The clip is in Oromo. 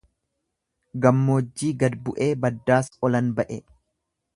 Gammoojjii gad bu'e, baddaas olan ba'e